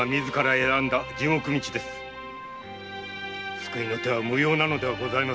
救いの手は無用なのではございませんか。